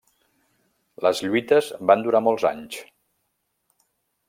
Les lluites van durar molts anys.